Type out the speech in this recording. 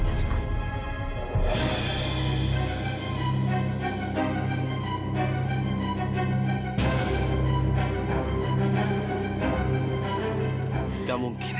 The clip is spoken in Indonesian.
tidak mungkin ya